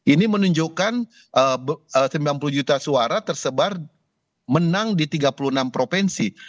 ini menunjukkan sembilan puluh juta suara tersebar menang di tiga puluh enam provinsi